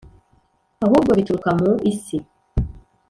ahubwo bituruka mu isi